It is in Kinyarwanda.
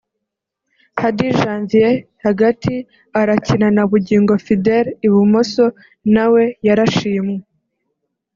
Hadi Janvier (Hagati) aracyakina na Bugingo Fidele (Ibumoso) nawe yarashimwe